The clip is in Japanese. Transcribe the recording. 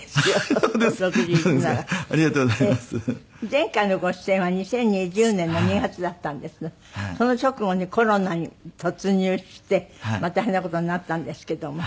前回のご出演は２０２０年の２月だったんですけどその直後にコロナに突入して大変な事になったんですけども。